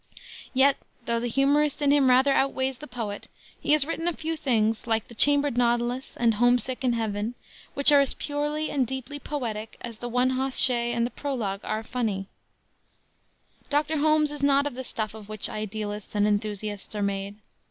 Yet, though the humorist in him rather outweighs the poet, he has written a few things, like the Chambered Nautilus and Homesick in Heaven, which are as purely and deeply poetic as the One Hoss Shay and the Prologue are funny. Dr. Holmes is not of the stuff of which idealists and enthusiasts are made.